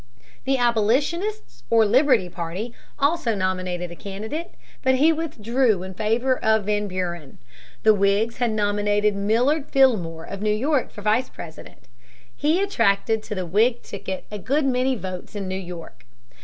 The abolitionists or Liberty party also nominated a candidate, but he withdrew in favor of Van Buren. The Whigs had nominated Millard Fillmore of New York for Vice President. He attracted to the Whig ticket a good many votes in New York.